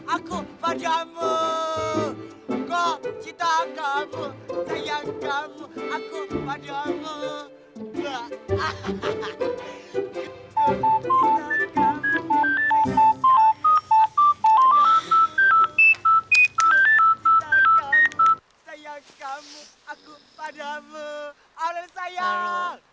aku padamu aku padamu aureli sayang